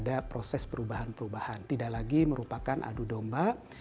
ada proses perubahan perubahan tidak lagi merupakan adu domba